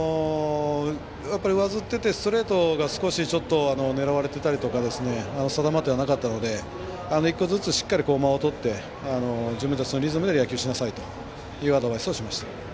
上ずってて、ストレートがちょっと狙われていたり定まっていなかったので１個ずつ、しっかり間をとって自分たちのリズムで野球をしなさいというアドバイスをしました。